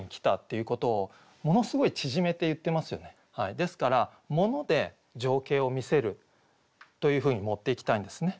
ですから「モノで情景を見せる」というふうに持っていきたいんですね。